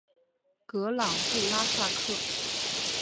格朗布拉萨克。